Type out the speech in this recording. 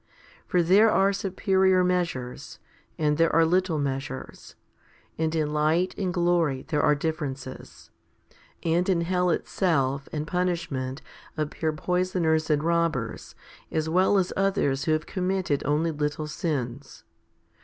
For there are superior measures, and there are little measures, and in light and glory there are differences, and in hell itself and punishment appear poisoners and robbers, as well as others who have committed only little sins.